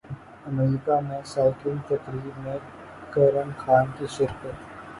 امریکہ میں سائیکلنگ تقریب میں کرن خان کی شرکت